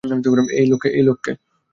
এই লোক কে?